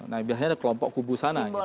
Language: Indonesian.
nah biasanya ada kelompok kubu sana